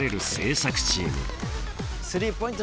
スリーポイント